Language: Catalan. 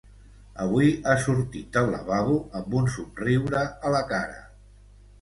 Avui ha sortit del lavabo amb un somriure a la cara.